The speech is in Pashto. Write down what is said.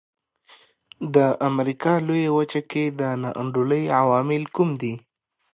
د امریکا لویه وچه کې د نا انډولۍ عوامل کوم دي.